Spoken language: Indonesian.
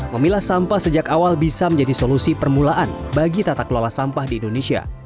memilah sampah sejak awal bisa menjadi solusi permulaan bagi tata kelola sampah di indonesia